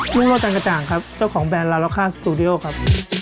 รุ่งโรธจันกระจ่างครับเจ้าของแบรนด์ลาแล้วค่าสตูดิโอครับ